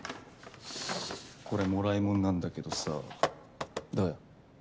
これもらいもんなんだけどさどうよ？